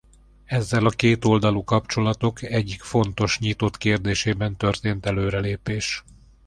Ezzel a kétoldalú kapcsolatok egyik fontos nyitott kérdésében történt előrelépés.